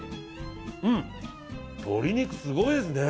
うん、鶏肉すごいですね。